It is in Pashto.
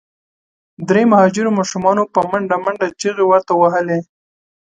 درې مهاجرو ماشومانو په منډه منډه چیغي ورته وهلې.